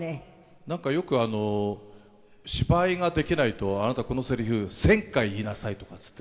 なんかよく芝居ができないと「あなたこのセリフ１０００回言いなさい」とかって言って。